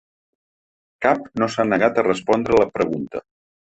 Cap no s’ha negat a respondre la pregunta.